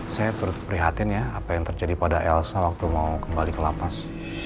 ya saya perhatian ya apa yang terjadi pada elsa waktu mau kembali ke lapas